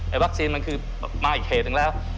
ไอ้วัคซีนมันคือมาอีกเหตุอย่างแล้ว